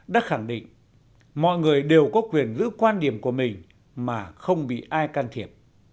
đã khẳng định mọi người đều có quyền giữ quan điểm của mình mà không bị ai can thiệp